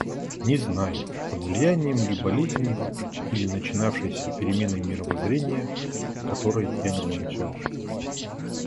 Не знаю, под влиянием ли болезни, или начинавшейся перемены мировоззрения, которой я не замечал.